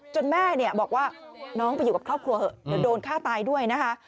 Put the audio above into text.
แม่บอกว่าน้องไปอยู่กับครอบครัวเถอะเดี๋ยวโดนฆ่าตายด้วยนะคะ